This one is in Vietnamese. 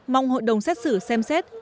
mong hội đồng xét xử xem xét